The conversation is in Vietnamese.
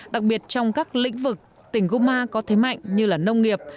đặc biệt trong các lĩnh vực tỉnh guma có thế mạnh như là nông nghiệp